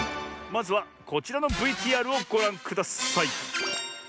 まずはこちらのＶＴＲをごらんください。